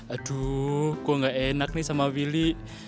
aduh kok gak enak nih sama willy